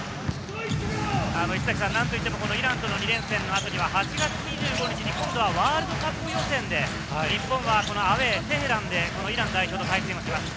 何と言ってもイランとの２連戦の後には８月２５日、日本ではワールドカップ予選で日本はアウェーのテヘランでイラン代表と対戦します。